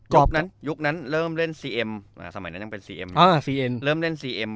กบนั้นเริ่มเรื่องเซีอม